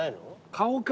顔か。